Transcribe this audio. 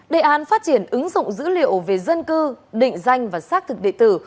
đề án phát triển ứng dụng dữ liệu về dân cư định danh và xác thực địa tử